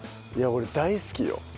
いや俺大好きよ。